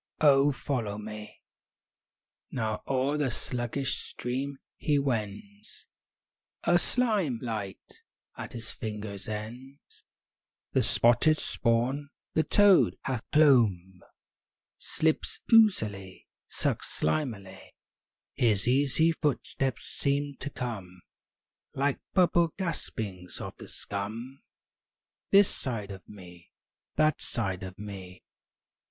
oh, follow me!" III Now o'er the sluggish stream he wends, A slim light at his fingers' ends; The spotted spawn, the toad hath clomb, Slips oozily, sucks slimily; His easy footsteps seem to come Like bubble gaspings of the scum This side of me; that side of me.